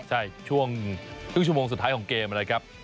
ใช่ช่วงครึ่งชั่วโมงสุดท้ายของเกมนะครับ